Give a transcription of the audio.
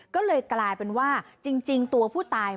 ก็เลยกลายเป็นว่าจริงตัวผู้ตาย